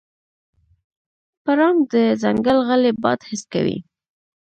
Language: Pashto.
پړانګ د ځنګل غلی باد حس کوي.